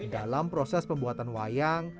dalam proses pembuatan wayang